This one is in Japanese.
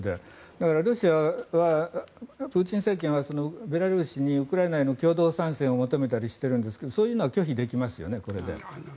だから、ロシアはプーチン政権はベラルーシにウクライナへの共同参戦を求めたりしているんですがそういうのはこれで拒否できますよね。